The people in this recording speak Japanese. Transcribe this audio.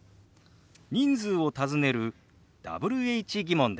人数を尋ねるＷｈ−疑問です。